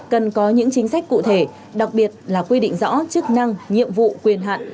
cần có những chính sách cụ thể đặc biệt là quy định rõ chức năng nhiệm vụ quyền hạn